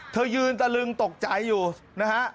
เธอยืนตะลึงตกใจอยู่นะฮะ